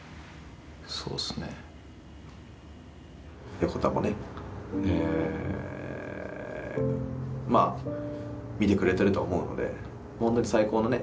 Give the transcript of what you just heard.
横田もねまあ見てくれてると思うのでホントに最高のね